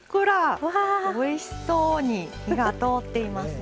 おいしそうに火が通っていますね。